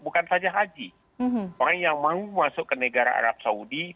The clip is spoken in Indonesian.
bukan saja haji orang yang mau masuk ke negara arab saudi